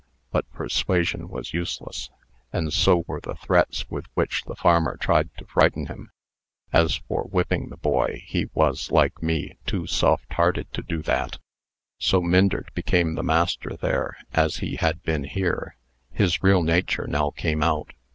But persuasion was useless; and so were the threats with which the farmer tried to frighten him. As for whipping the boy, he was, like me, too soft hearted to do that. "So Myndert became the master there, as he had been here. His real nature now came out.